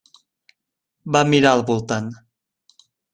Va mirar al voltant.